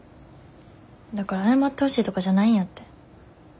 だから謝ってほしいとかじゃないんやって。